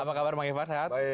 apa kabar bang ivan sehat